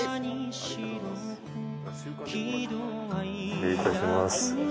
失礼いたします。